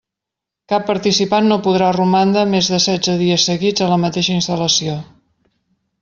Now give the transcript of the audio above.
Cap participant no podrà romandre més de setze dies seguits a la mateixa instal·lació.